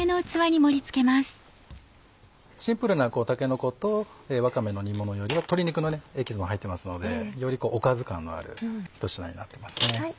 シンプルなたけのことわかめの煮ものよりは鶏肉のエキスも入ってますのでよりおかず感のある一品になってますね。